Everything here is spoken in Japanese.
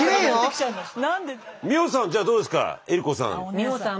美穂さんじゃあどうですか江里子さん。